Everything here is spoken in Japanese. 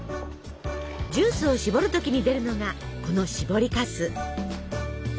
ジュースをしぼる時に出るのがこのしぼりかす。